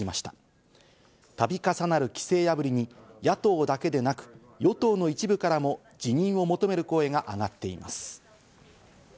度重なる規制破りに野党だけでなく与党の一部からも辞任を求める声が上がっています。